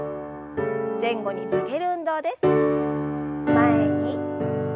前に。